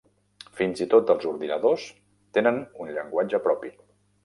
Fins i tot els ordinadors tenen un llenguatge propi.